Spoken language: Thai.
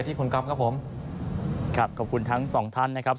ที่คุณก๊อฟครับผมครับขอบคุณทั้งสองท่านนะครับ